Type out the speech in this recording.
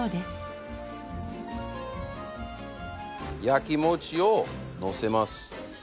焼き餅をのせます。